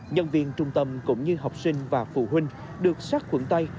nhân viên trung tâm cũng như học sinh và phụ huynh được sát khuẩn tay